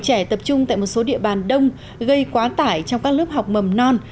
trẻ tập trung tại một số địa bàn đông gây quá tải trong các lớp học mầm non